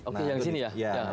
oke yang sini ya